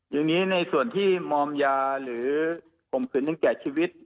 อย่างนี้ในส่วนที่มอมยาหรือข่มขืนถึงแก่ชีวิต